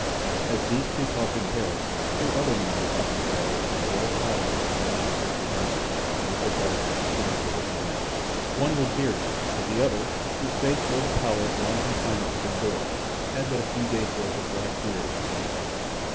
As these two talked in Paris, two other men were talking together in a little cottage upon the outskirts of London. Both were dark, sinister looking men. One was bearded, but the other, whose face wore the pallor of long confinement within doors, had but a few days' growth of black beard upon his face.